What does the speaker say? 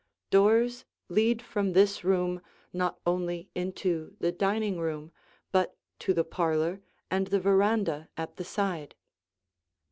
Doors lead from this room not only into the dining room, but to the parlor and the veranda at the side.